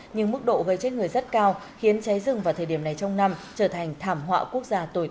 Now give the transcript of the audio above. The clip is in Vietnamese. nhưng mức độ gây chết người rất cao khiến cháy rừng vào thời điểm này trong năm trở thành thảm họa quốc gia tồi tệ